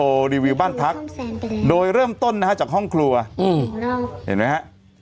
รีวิวบ้านพักโดยเริ่มต้นนะฮะจากห้องครัวอืมเห็นไหมฮะ